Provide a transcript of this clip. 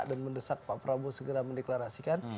dan mendesak pak prabowo segera mendeklarasikan